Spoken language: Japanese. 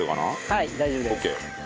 はい大丈夫です。